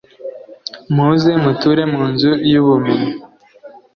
muze muture mu nzu y'ubumenyi